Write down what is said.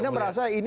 anda merasa ini